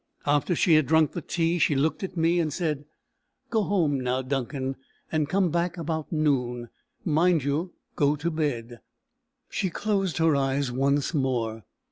After she had drunk the tea, she looked at me, and said, "Go home now, Duncan, and come back about noon. Mind you go to bed." She closed her eyes once more.